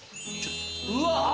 うわ！